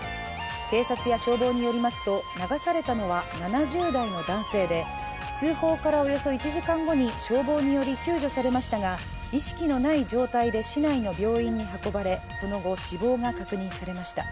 警察や消防によりますと、流されたのは７０代の男性で通報からおよそ１時間後に消防により救助されましたが、意識のない状態で市内の病院に運ばれ、その後、死亡が確認されました。